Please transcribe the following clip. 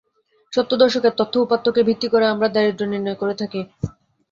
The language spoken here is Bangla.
সত্তরের দশকের তথ্য উপাত্তকে ভিত্তি ধরে আমরা দারিদ্র্য নির্ণয় করে থাকি।